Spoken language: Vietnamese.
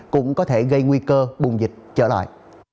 cũng có thể gây nguy cơ bùng dịch trở lại